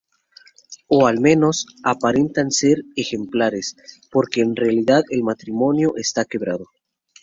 O al menos, aparentan ser ejemplares, porque en realidad el matrimonio está quebrado.